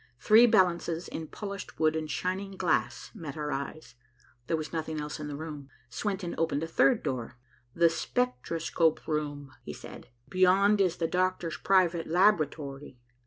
Three balances in polished wood and shining glass met our eyes. There was nothing else in the room. Swenton opened a third door. "The spectroscope room," he said. "Beyond is the doctor's private laboratory."